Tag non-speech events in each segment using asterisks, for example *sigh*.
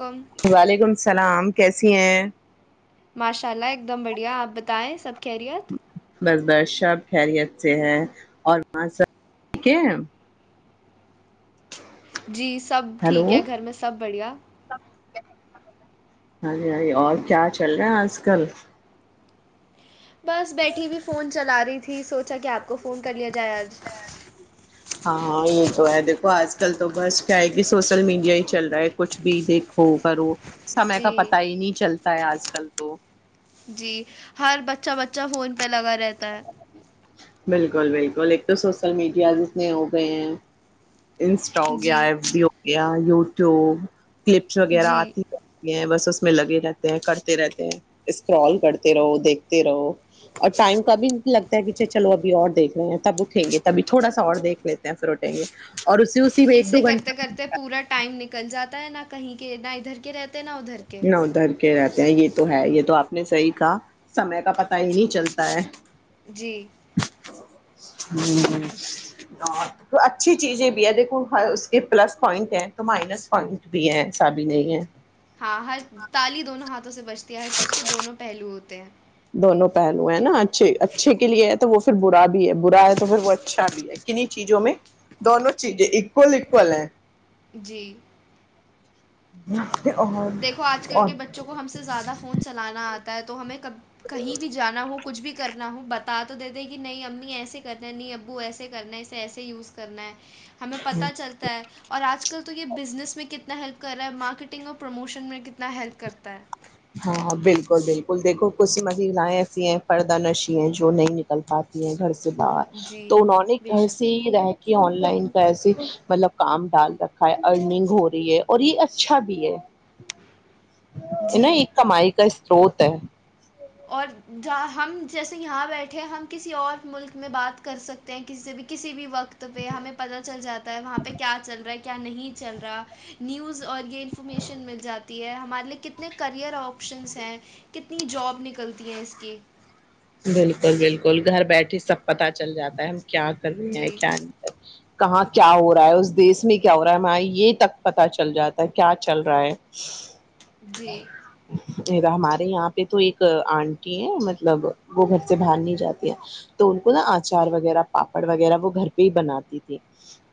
کم وعلیکم السلام کیسی ہیں ماشاء اللہ ایک دم بڑھیا آپ بتائیں سب خیریت بس بر شب خیریت سے ہے اور وہاں سب ٹھیک ہے جی سب ٹھیک ہلو ہے گھر میں سب بڑھیا ہاں جی ہاں اور کیا چل رہا ہے آج کل بس بیٹھی بھی فون چلا رہی تھی سوچا کہ آپ کو فون کر لیا ج ہاں ہاں یہ تو ہے دیکھو آج کل تو بس کیا ہے کہ سوشل میڈیا ہی چل رہا ہے کچھ بھی دیکھو کرو سمے کا جی پتا ہی نہیں چلتا ہے آج کل تو جی ہر بچہ بچہ فون پہ لگا رہتا ہے بالکل بالکل ایک تو سوسل میڈیا جتنے ہو گئے ہیں انسٹال ہو جی گیا ہےو یا یو ٹیوب کلپس وغیرہ جی آتی کرتی ہیں بس اس میں لگے رہتے ہیں کرتے رہتے ہیں اسکرال کرتے رہو دیکھتے رہو اور ٹائم کا بھی لگتا ہے کہچھ چلو ابھی اور دیکھ رہے ہیں تب اٹھیں گے تبھی تھوڑا سا اور دیکھ لیتے ہیں پھر اٹھیں گے اور اسی اسی میں ایک اسے دو کرتے کرتے گھنٹہ پورا ٹائم نکل جاتا ہے نہ کہیں کہ نہ ادھر کہ رہتے نا ادھر کے نہ ادھر کے رہتے یہ تو ہے یہ تو آپ نے صحیح کہا سمے کا پتا ہی نہیں چلتا ہے جی ہ اچھی چیزیں بھی ہے دیکھو اس کے پلس پوائنٹ ہیں تو مائنس پوائنٹ بھی ہے ایسا بھی نہیں ہے ہاں ہر تالی دونوں ہاتھ سے بچتی ہے ہر چیز کے دونوں پہلو ہوتے ہیں *inaudible* دونوں پہلو ہے نا اچھے اچھے کے لیے ہے تو وہ پھر برا بھی ہے برا ہے تو پھر وہ اچھا بھی ہے کنی چیزوں میں دونوں چیزیں اکول اکول ہے جی *inaudible* دیکھو آج کل اور کے بچوں کو ہم سے زیادہ فون چلانا آتا تو ہمیں کبھی کہیں بھی جانا ہو کچھ بھی کرنا ہوں بتا تو دیتے کہ نہیں امی ایسے کرنا ہے نہیں ابو ایسے کرنا ہے اسے ایسے یوز کرنا ہے ہمیں پتا چلتا ہے اور آج کل تو یہ بزنس میں کتنا ہیلپ کر رہا ہے مارکیٹنگ اور پروموشن میں کتنا ہیلپ کرتا ہے ہاں بالکل بالکل دیکھو کچھ مہیلائیں ایسی ہیں پردہ نشیں ہیں جو نہیں نکل پاتی ہیں گھر سے جی تو انہوں نے بے گھر سے شک ہی رہ کے لائن کا ایس مطلب کام ڈال رکھا ہے ارننگ ہو رہی ہے اور یہ اچھا بھی ہے ن جی ایک کمائ کا سروت ہے اور ج ہم جیسے یہاں بیٹھے ہم کسی اور ملک میں بات کر سکتے ہیں کسی بھی کسی بھی وقت ت پہ ہمیں پت چل جا ہے وہاں پہ کیا چل رہا ہے کیا نہیں چل رہا نیوز اور یہ انفارمیشن مل جاتی ہے ہے ہمارے لیے کتنے کرئر آپشنس ہیں کتنی جاب نکل غلطیا ہیں اس کے بالکل بالکل گھر بیٹے سب پتتا چل جاتا ہے کیا کرنی ہے جی کیا نہیں کر کہاں کیا ہو رہا ہے اس دیس میں کیا ہو رہا ہے ہم یہ تک پتا چل جاتا ہے کیا چل رہا ہے جی ہمارے یہاں پہ تو ایک آنٹی ہے مطلب وہ گھر سے باہر نہیں جاتی ہے تو ان کو نا اچار وغیرہ پاپڑ وغیرہ وہ گھر پہ ہی بناتی تھی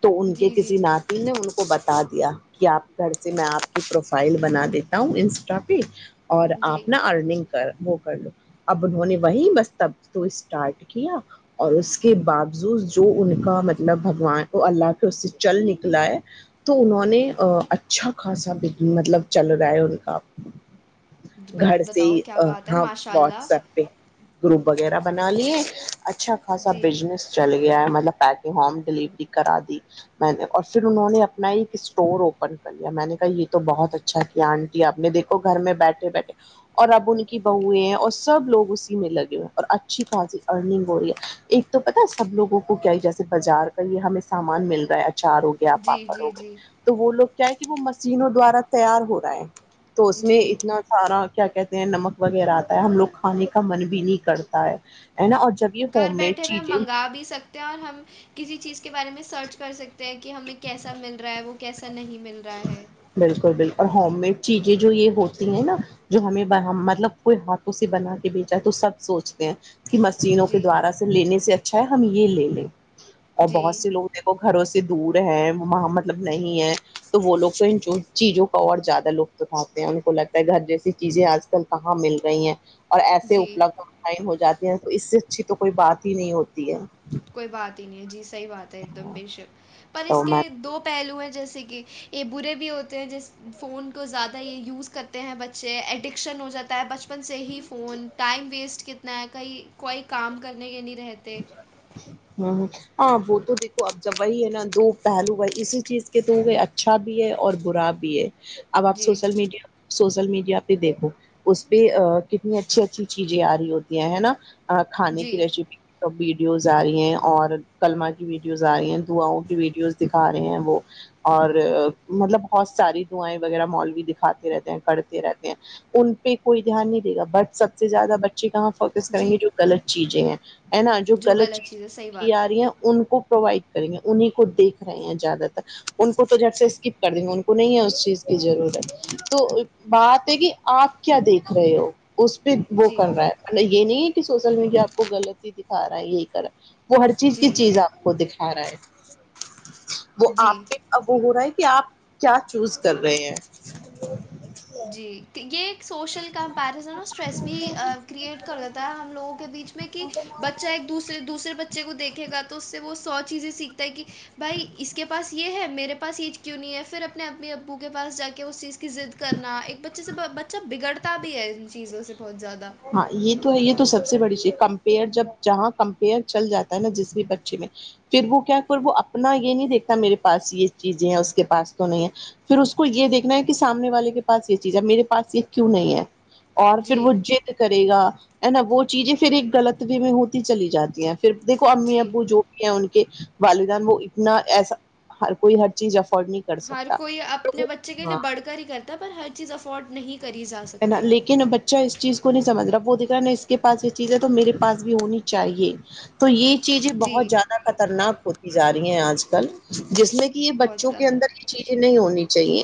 تو ان کے جی جی کسی جی نات نے ان کو بتا ب دیا کہ آپ گھر سے میں آپ کی پروفائل بنا دیتا ہوں انسٹا پہ اور جی آپ نا ارننگ کر وہ کر لو ابن ہونی وہی بس تب تو اسٹارٹ کیا اور اس کے باوجوود جو ان کا مطلب بگوان اللہ کے اس سے چل نکلا ہے تو انہوں نے اچھا خاصا مطلب چل رہا ہے ان کا گھر سے ہی بتاؤ کیا بات ہے ہاں ماشاء واٹ اللہ سکتے دوپ وغیرہ بنا لیے اچھا خاصا جی بزنس چلے گیا مطلب پن ہوم ڈلیوری کرا دی میں نے اور پھر انہوں نے اپنا ایک اسٹور اوپن کر لیا میں نے کہا یہ تو بہت اچھا کیا آنٹی آپ نے دیکھو گھر میں بیٹھے بیٹھے اور اب ان کی بہویں ہیں اور سب لوگ اس میں لگے ہوئے اور اچھی خی ارنگ ہو رہی ہے ایک تو پتا سب لووں کو کیا جیسے بازار کا یہ ہمیں سامان مل رہا ہے اچھا چار ہو گیا جی پاپڑ ہو جی گئے جی تو وہ لوگ کیا کہ وہ مشینوں دوارا تیار ہو رہا ہے تو اس میں جی اتنا سارا کیا کہتے ہیں نمک وغیرہ آتا ہے ہم لوگ کھانے کا من بھی نہیں کرتا ہے ہے نا اور جب یہ گھر ہوم میڈ بیٹھے ہوئے ہم چیزیں منگا بھی سکتے ہیں اور ہم کسی چیز کے بارے میں سرچ کر سک کہ ہمیں کیسا مل رہا ہے وہ کیسا نہیں مل رہا ہے بالکل بالکل اور ہوم میڈ چیزیں جو یہ ہوتی ہیں نا جو ہمیں مطلب کوئی ہاتھوں سے بنا کے بیچا تو سب سوچتے ہیں کہ مشینوں کے جی دوارا سے لینے سے اچھا ہے ہم یہ لے لیں اور بہت جی سے لوگ میرے کو گھروں سے دور ہے وہاں مطلب نہیں ہے تو وہ لوگ تو ان چیزوں کا اور زیادہ لطف اٹھاتے ہیں ان کو لگتا ہے گھر جیسی چیزیں آج کل کہاں مل رہی ہیں اور ایسے جی اپلبدھ آن لائن ہو جاتی ہیں تو اس سے اچھی تو کوئی بات ہی نہیں ہوتی یا کوئی بات ہی نہیں ہے جی صحیح بات ہے ایک دم بے شک پر تو اس کے میں دو پہلو ہیں جیسے کہ یہ برے بھی ہوتے ہیں جیس فون کو زیادہ یہ یوز کرتے ہیں بچے ایڈکشن ہو جاتا ہے بچپن بپن سے ہی فون ٹائم ویسٹ کتنا ہے کہیں کوئی کام کرنے کے نہیں رہتے ہ ہ ہاں وہ تو دیکھو اب جب وہی ہے نا دو پہلو وہی اسی چیز کے تو ہو اچھا بھی ہے اور برا بھی ہے اب آپ جی سوشل میڈیا سوشل میڈیا دیکھو اس پہ ا کتنی اچھی اچھی چیزیں آ رہی ہوتی ہیں ہے نا کھانے کی جی ریسیپی ویڈیوز آ رہی ہیں اور کلما کی ویڈیوز آ رہی ہیں دعاؤں کی ویڈیوز دکھا رہے ہیں وہ اور مطلب بہت ساری دعائیں وغیرہ مالوی دکھاتے رہتے ہیں کرتے رہتے ہیں ان پہ کوئی دھیان نہیں دے گا بٹ سب سے زیادہ بچے کہاں فوکس کریں جی گی جو غط چیزیں ہیں ہے نا جو غلط چیزیں چیز ہے صحیح رکھی بات ہے ج رہی ہیں ان کو پرووائڈ کریں گے انہیں کو دیکھ رہے ہیں زیادہ تر ان کو تو جٹ سے اسکپ کر دیں گے ان کو نہیں ہے اس چیز کی ضرورت تو بات ہے کہ آپ کیا دیکھ رہے ہو اس پہ وہ جی کر رہا ہے مطلب یہ نہیں سوشل میڈیا آپ کو غط ہے دکھا رہا ہے یہی کرا وہ ہر چیز کی جی چیز آپ کو دکھا رہا ہے وہ جی آپ کے اب وہ ہو رہا ہے کہ آپ کیا چوز کر رہے ہیں جی کہ یہ سوشل کمپیرزن اور اسٹریس بھی کریئٹ کر دیتا ہے ہم لوگوں کے بیچ میں کہ بچہ ایک دورے دوسرے بچے کو دیکھے گا تو اس سے وہ سو چیزیں سیکھتا ہے کہ بھائی اس کے پاس یہ ہے میرے پاس ایج کیوں نہیں ہے پھر اپنے اپنے ابو کے پاس جا کے اس چیز کی ضد کرنا ایک بچے سے بچہ بگڑتا بھی ہے چیزوں سے بہت زیادہ ہاں یہ تو ہے یہ تو سب سے بڑی چیز کمپیئر جب جہاں کمپیئر چل جاتا ہے نا جس بھی بچے میں پھر وہ کیا کر وہ اپنا یہ نہیں دیکھتا میرے پاس یہ چیزیں ہے اس کے پس تو نہیں ہے پھر اس کو یہ دیکھنا ہے کہ سامنے والے کے پاس یہ چیز ہے میرے پاس یہ کیوں نہیں ہے اور پھر جی وہ جضد کرے گا ہے نا وہ چیزیں پھر ایک غلط وی میں ہوتی چلی جاتی ہیں پھر دیکو امی جی ابو جو بھی ہیں ان کے والدین وہ اتنا ایسا ہر کوئی ہر چیز افورڈ نہیں کر ہر سکتا کوئی اپنے بچے کے لیے ہاں بڑھ کر ہی کرتا پر ہر چیز افورڈ نہیں کری جا سکتی اچھ اس چیز کو نہیں سمجھ رہا وہ دکھ رہا ن اس کے پس یہ چیز ہے تو میرے پاس بھی ہونی چاہیے تو یہ چیزیں جی بہت زیادہ خطرناک ہوتی جا رہی ہیں آج کل جس میں کہ یہ بہت بچوں کے زیادہ اندر یہ چیزیں نہیں ہونی چاہیے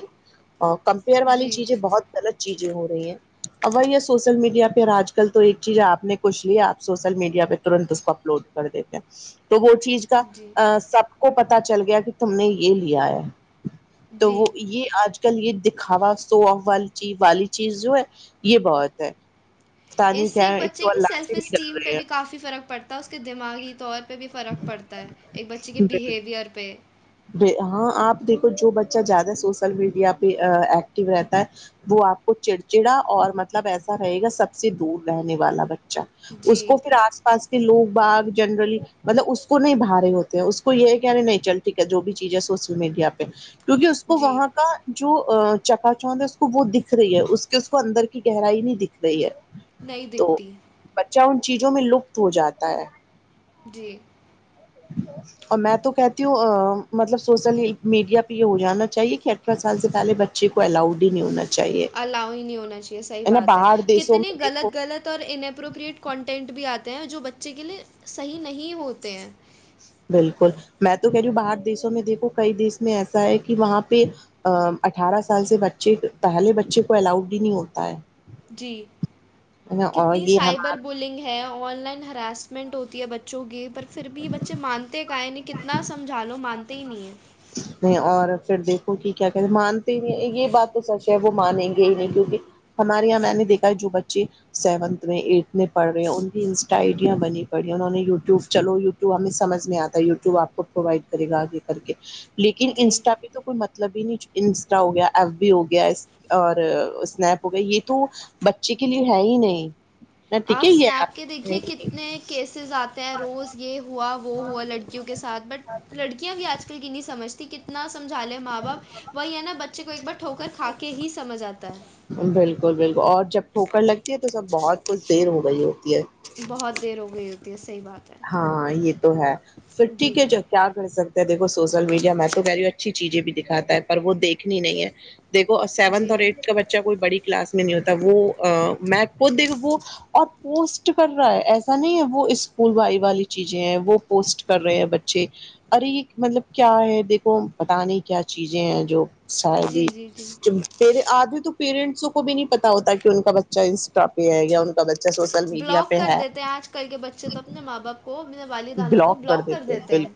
اور کمپیئر والی جی چیزیں بہت غلط چیز جو ہو رہی ہے ابھائی یہ سوشل میڈیا پہ آج کل تو ایک چیز آپ نے کچھ لی آپ سوسل میڈیا پہ ترنت اس کو اپلوڈ کر دیتے ہیں تو وہ چیز کا جی سب کو پتا چل گیا کہ تم نے یہ لیا ہے تو جی وہ یہ آج کل یہ دکھاوا سو احوال چی والی چیز جو ہے یہ بہت ہے پتا نہیں اس سے کیا ایک ہے بچے کو کی اللہ سے سیلف نہیں ڈر اسٹیم پہ رہے بھی کافی فرق پڑتا ہے اس کے دماغی طور پہ بھی فرق پڑتا ہے ایک بچے کے ہیں بہیویئر پہ *inaudible* ہاں آپ دیکھو جو بچہ زیادہ سوشل میڈیا پہ ایکٹیو رہتا ہے وہ آپ کو چڑچڑا اور مطلب ایسا رہے گا سب سے دور رہنے والا بچہ اچ اس جی کو پھر آس پاس کے لوگ باگ جنرلی مطلب اس کو نہیں بھارے ہوتے ہیں اس کو یہ کہے نہیں چلتے ٹھیک ہے جو بھی چیز ہے سوشل میڈیا پہ کیونکہ اس کو جی وہاں کا جو چکا چوند ہے اس کو وہ دکھ رہی ہے اس کے اس کو اندر کی گہرائی نہیں دکھ رہی ہے نہیں تو دکھتی بچہ ان چیزوں میں لپت ہو جاتا ہے جی اور میں تو کہتی ہوں ا مطلب سوسل میڈیا پہ یہ ہو جانا چاہیے کہ اٹھارہ سال سے پہلے بچے کو الاؤڈ ہی نہیں ہونا چاہیے الاؤ ہی نہیں ہونا چاہیے صحیح نا بات ہے باہر دیسوں کتنی میں دیکھو غلط غلط اور انپروپریٹ کانٹینٹ بھی آتے ہیں جو بچے کے لیے صحیح نہیں ہوتے ہیں بالکل میں تو کہہ رہی ہ باہر دیسوں میں دیکھو کئی دیس میں ایسا ہے کہ وہاں پہ ا اٹھارہ سال سے بچے پہلے بچے کو الاؤڈ ہی نہیں ہوتا ہے جی ہے نا. اور کتنی یہ ہمارا سائبر بلنگ ہے آن لائن ہراسمنٹ ہوتی ہے بچے گے پر پھر بھی یہ بچے مانتے ہیں کائ نے کتنا سمجھ لو مانتے ت نہیں اور پھر دیکھو کہ کیا کہتے ہیں مانتے ہی نہیں یہ بات تو سچ ہے وہ مانیں گے ہی نہیں کیونکہ ہمارے یہاں میں نے دیکا ہے جو بچے سیونتھ میں ایٹتھ میں پڑھ رہے ہیں ان کی انسٹا آئیڈیاں بنی پڑی ہیں انہوں نے یوٹیوب چلو یوٹیوب ہمیں سمجھ میں آتا ہے یوٹیوب آپ کو پرووائڈ کرے گا آگے کر کے لیکن جی انسٹا پہ تو کوئی مطلب ہی نہیں چکا انسٹا ہو گیا ایف بی ہو گیا اور اسنیپ ہو گیا یہ تو بچے کے لیے ہے ہی نہیں نہ ٹھیک آپ ہے یہ اسنیپ کے آپ دیکھیے کتنے کیسز آتے ہیں روز یہ ہوا وہ ہوا لڑکیوں کے ساتھ بٹ لڑکیاں بھی آج کل کی نہیں سمجھتی کتنا سمھا لے ماں باپ وہی ہے نا بچے کو ایک بار ٹوک کر کھا کے ہی سے سمجھ آتا ہے بالکل بالکل اور جب ٹھوکر لگتی ہے تو سب بہت کچھ دیر ہو گئی ہو بہت دیر ہو گئی ا تیس ہاں یہ تو ہے پھر ٹھیک جی ہے جو کیا کر سکتے ہیں دیکھو سوشل میڈیا می تو کہہ رہی اچھی چیزیں بھی دکھاتا ہے پر وہ دیکھنی نہیں ہے دیکھو سیونتھ جی اور ایٹھ کا بچہ کوئی بڑی کلاس میں نہیں ہوتا وہ دیک وہ اور پوسٹ کر رہا ہے ایسا نہیں ہے وہ اسکول بائی والی چیزیں ہیں وہ پوسٹ کر رہے ہیں بچے ارے مطلب کیا ہے دیکھو پت نہیں کیا چیزیں ہیں جو سا جی پیرے آدمی تو پیرنٹسوں کو بھی نہیں پتا ہوتا کہ ان کا بچہ اس پ ہے یا ان کا بچہ سوشل میڈیا پہ ہے ا تو اپنے ماں باپ کو اپنے والدانوں کو بلاک کر دیتے ہیں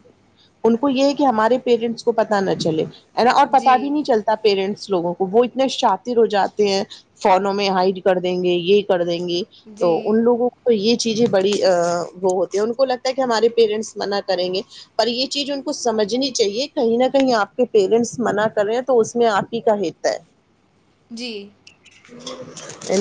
ان کو یہ ہے کہ ہمارے پیرنٹس کو پت نہ چلے ہے نا اور جی پتا بھی نہیں چلتا پییرنٹس لوگوں وہ اتنے شاطر ہو جاتے ہیں فونوں میں ہائڈ کر دیں گے یہ کر دیں گے گی جی تو ان لوگوں کو یہ چیزیں بڑی *inaudible* وہ ہوتے ہیں ان کو لگتا ہے کہ ہمارے پیرنٹس منع کریں گے پر یہ چیز ان کو سمجھنی چاہیے کہیں نہ کہیں آپ کے پیرنٹس منع کر رہے ہیں تو اس میں آپ ہی کا حت ہے جی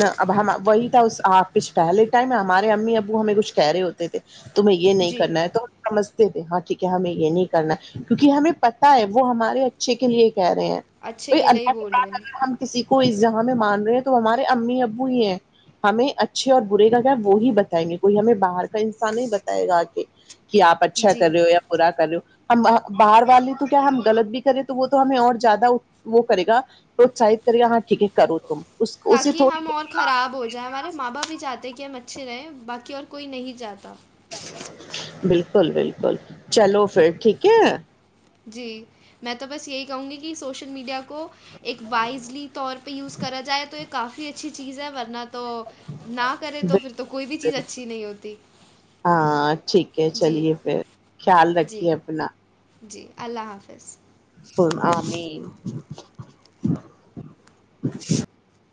نا اب وہی تھا آپ کے پہلے ٹائم ہے ہمارے امی ابو ہمیں کچھ *unintelligible* تمہیں یہ نہیں جی کرنا ہے تو سمجھ تھ ہاں ٹھیک ہے ہمیں یہ نہیں کرنا کیہ ہمیں پتتا ہے وہ ہمارے اچھے کے لیے کہ رہے ہیں اچھے بائی لیے ہی اللہ کے بول رہے باتد ہیں اگر ہم کسی کو کو اس جگہ ہم مان رہے ہیں تو ہمارے امی ابو ہی ہیں ہمیں اچھے اور برے کا کیا ہے وہی بتائیں گے کوئی ہمیں باہر کا انسان ہی بتائے گا کہ کہ آپ اچھا جی کر ہو یا بورا کر ہو ہم باہر والا لیے تو کیا ہم غط بھی کریں تو وہ تو ہمیں اور زیادہ وہ کرے گا پروتساہت کرے گا ہاں ٹھیک ہے کرو تم اس اسے تاکہ تھوڑی ہم اور خراب ہو جائیں ہمارے ماں باپ بھی چاہتے ہیں کہ ہم اچھے رہے باقی اور کوئی نہیں جاتا بالکل بالکل چلو پھر ٹھیک ہے جی میں تو بس یہی کہوں گی کہ سوشل میڈیا کو ایک وائزلی طور پہ یوز کرا جائے تو ایک کافی اچھی چیز ہے ورنہ تو نہ کرے تو پھر تو کوئی بھی بالکل چیز بالکل اچھی نہیں ہوتی کہ جی چلیے پھر خیال جی رکھیے اپنا جی اللہ حافظ *inaudible*